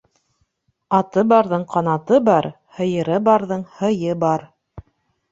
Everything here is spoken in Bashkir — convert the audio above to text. Аты барҙың ҡанаты бар, һыйыры барҙың һыйы бар.